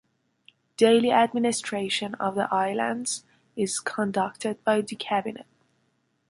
Daily administration of the islands is conducted by the Cabinet.